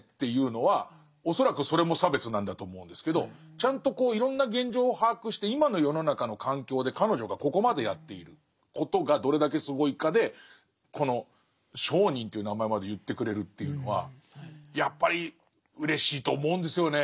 ちゃんとこういろんな現状を把握して今の世の中の環境で彼女がここまでやっていることがどれだけすごいかでこの聖人という名前まで言ってくれるっていうのはやっぱりうれしいと思うんですよね。